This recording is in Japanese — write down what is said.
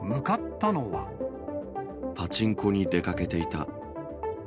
パチンコに出かけていた。